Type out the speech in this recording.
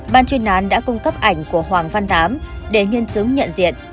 ban chuyên nán đã cung cấp ảnh của hoàng văn tám để nhân chứng nhận diện